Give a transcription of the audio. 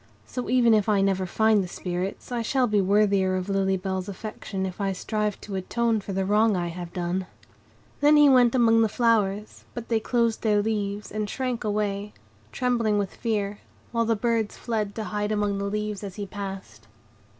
So, even if I never find the Spirits, I shall be worthier of Lily Bell's affection if I strive to atone for the wrong I have done." Then he went among the flowers, but they closed their leaves, and shrank away, trembling with fear; while the birds fled to hide among the leaves as he passed.